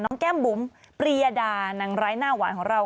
น้องแก้มบุ๋มปรียดานังไหล่หน้าหวานของเรา